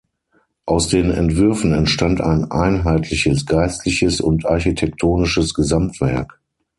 Aus den Entwürfen entstand ein einheitliches, geistliches und architektonisches Gesamtwerk.